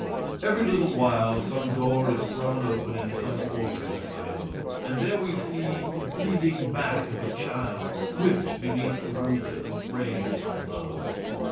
Every little while some door is thrown open in some orphan asylum, and there we see the bleeding back of a child whipped beneath the roof that was raised by love.